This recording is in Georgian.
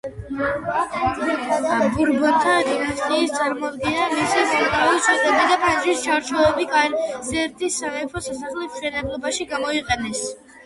ბურბონთა დინასტიის წარმომადგენლებმა, მისი მარმარილოს სვეტები და ფანჯრების ჩარჩოები კაზერტის სამეფო სასახლის მშენებლობაში გამოიყენეს.